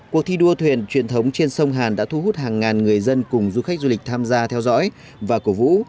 cuộc thi đua thuyền truyền thống trên sông hàn đã thu hút hàng ngàn người dân cùng du khách du lịch tham gia theo dõi và cổ vũ